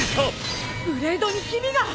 ブレードにヒビが！